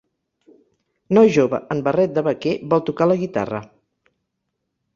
Noi jove en barret de vaquer vol tocar la guitarra.